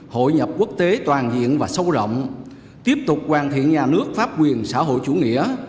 hội nhập quốc tế toàn diện và sâu rộng tiếp tục hoàn thiện nhà nước pháp quyền xã hội chủ nghĩa